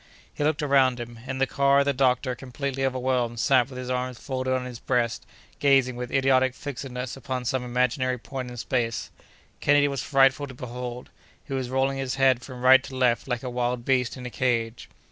He looked around him. In the car, the doctor, completely overwhelmed, sat with his arms folded on his breast, gazing with idiotic fixedness upon some imaginary point in space. Kennedy was frightful to behold. He was rolling his head from right to left like a wild beast in a cage.